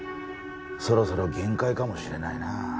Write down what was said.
そろそろ限界かもしれないな。